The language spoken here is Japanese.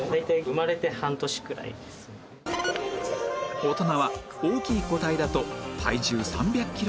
大人は大きい個体だと体重３００キロ